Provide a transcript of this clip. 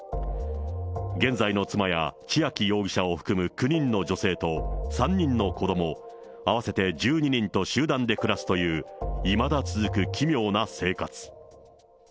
現在の妻や千秋容疑者を含む９人の女性と、３人の子ども、合わせて１２人と集団で暮らすという、いまだ続く奇妙な生活。